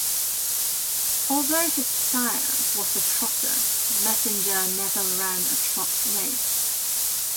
Although his sire was a trotter, Messenger never ran a trot race.